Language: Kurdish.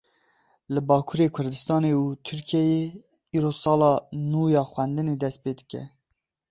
Li Bakurê Kurdistanê û Tirkiyeyê îro sala nû ya xwendinê dest pê dike.